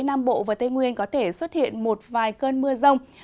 nam bộ và tây nguyên có thể xuất hiện một vài cơn mưa rông